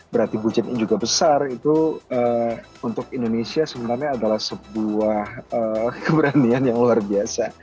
berarti budgetnya juga besar itu untuk indonesia sebenarnya adalah sebuah keberanian yang luar biasa